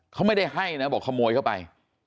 เขาไม่ได้ให้นะบอกขโมยเข้าไป